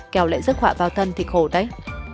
kéo lệ giấc họa vào thân thì khổ đấy